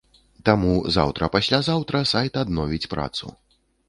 Таму заўтра-паслязаўтра сайт адновіць працу.